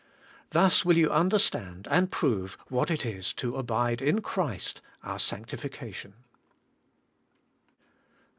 Thus will you understand and prove what it is to abide in Christ our sanctification.